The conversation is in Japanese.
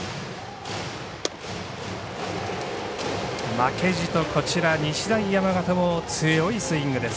負けじと、こちら日大山形も強いスイングです。